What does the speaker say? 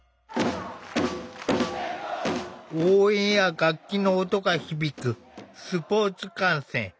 応援や楽器の音が響くスポーツ観戦。